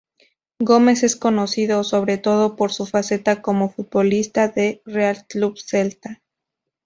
Gómez es conocido, sobre todo, por su faceta como futbolista del Real Club Celta.